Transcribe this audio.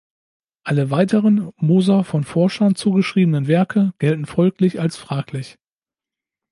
Alle weiteren, Moser von Forschern zugeschriebenen Werke gelten folglich als fraglich.